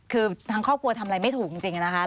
คือทางครอบครัวทำอะไรไม่ถูกจริงนะคะ